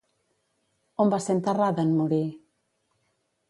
On va ser enterrada en morir?